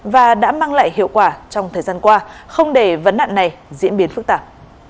và đã mang lại hiệu quả trong thời gian qua không để vấn nạn này diễn biến phức tạp